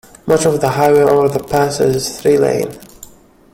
Much of the highway over the pass is three-lane.